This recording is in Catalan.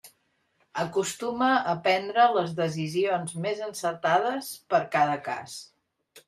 Acostuma a prendre les decisions més encertades per cada cas.